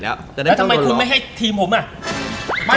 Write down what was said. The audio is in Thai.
แล้วทำไมคุณไม่ให้ทีมผมอ่ะ